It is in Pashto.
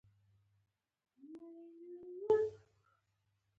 د کرزي رنډۍ لور ده.